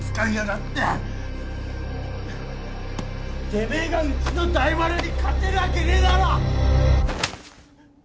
てめえがうちの大丸に勝てるわけねえだろ！